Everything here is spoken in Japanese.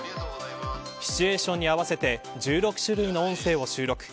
シチュエーションに合わせて１６種類の音声を収録。